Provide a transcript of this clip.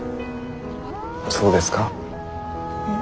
そうですか？